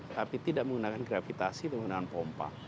tapi tidak menggunakan gravitasi menggunakan pompa